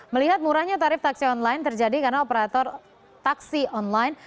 melihat murahnya tarif taksi online terjadi karena operator taksi online